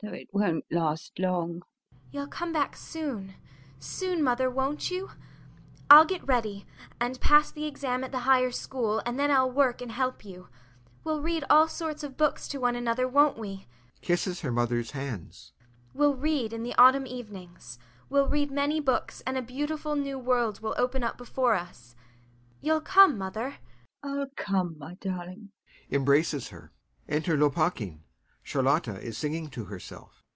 though it won't last long. ANYA. You'll come back soon, soon, mother, won't you? I'll get ready, and pass the exam at the Higher School, and then I'll work and help you. We'll read all sorts of books to one another, won't we? [Kisses her mother's hands] We'll read in the autumn evenings; we'll read many books, and a beautiful new world will open up before us.... [Thoughtfully] You'll come, mother.... LUBOV. I'll come, my darling. [Embraces her.] [Enter LOPAKHIN. CHARLOTTA is singing to herself.